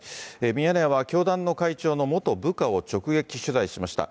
ミヤネ屋は教団の会長の元部下を直撃取材しました。